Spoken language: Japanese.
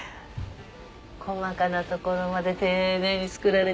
細かなところまで丁寧に作られてる。